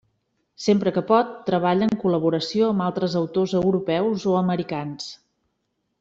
Sempre que pot, treballa en col·laboració amb altres autors europeus o americans.